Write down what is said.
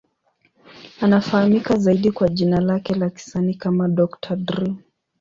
Anafahamika zaidi kwa jina lake la kisanii kama Dr. Dre.